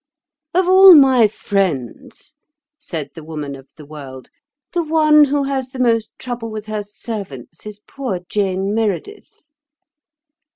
"Of all my friends," said the Woman of the World, "the one who has the most trouble with her servants is poor Jane Meredith."